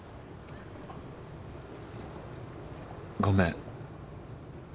ごめん。